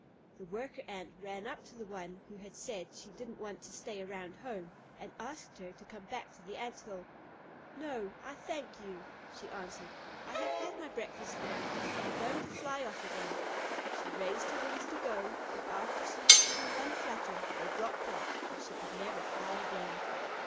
The worker Ant ran up to the one who had said she didn't want to stay around home, and asked her to come back to the Ant hill. "No, I thank you," she answered. "I have had my breakfast now, and am going to fly off again." She raised her wings to go, but after she had given one flutter, they dropped off, and she could never fly again.